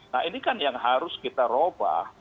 nah ini kan yang harus kita ubah